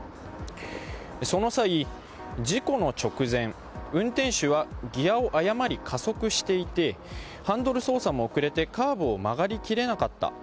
その際、事故の直前、運転手はギアを誤り加速していてハンドル操作も遅れてカーブを曲がり切れなかった。